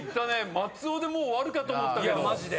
松尾でもう終わるかと思ったけど。